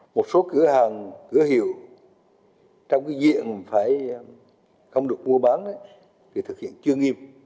một số cửa hàng cửa hiệu trong cái diện phải không được mua bán thì thực hiện chưa nghiêm